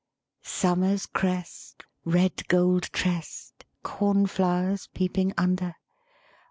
Summer's crest Red gold tressed, Corn flowers peeping under?